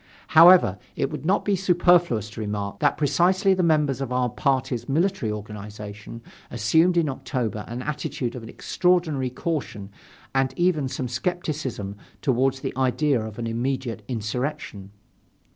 However, it would not be superfluous to remark that precisely the members of our party's military organization assumed in October an attitude of extraordinary caution and even some skepticism toward the idea of an immediate insurrection.